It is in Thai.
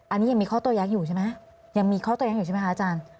อันนี้ยังมีข้อโตยักษ์อยู่ใช่ไหมยังมีข้อโตแย้งอยู่ใช่ไหมคะอาจารย์